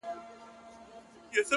اوس مي ذهن كي دا سوال د چا د ياد ـ